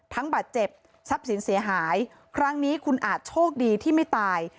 บาดเจ็บทรัพย์สินเสียหายครั้งนี้คุณอาจโชคดีที่ไม่ตาย